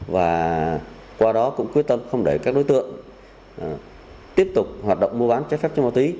và qua đó cũng quyết tâm không để các đối tượng tiếp tục hoạt động mua bán trái phép chất ma túy